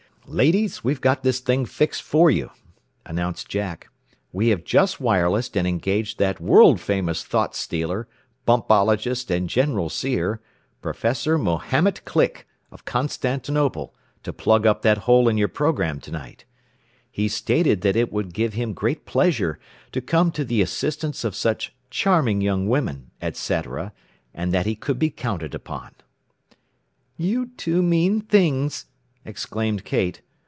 "Ladies, we've got this thing fixed for you," announced Jack. "We have just wirelessed and engaged that world famous thought stealer, bumpologist and general seer, Prof. Mahomet Click, of Constantinople, to plug up that hole in your program to night. He stated that it would give him great pleasure to come to the assistance of such charming young women, et cetera, and that he could be counted upon." "You two mean things!" exclaimed Kate.